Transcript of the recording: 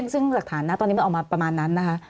ซึ่งหลักฐานนะตอนนี้มันออกมาประมาณนั้นนะคะ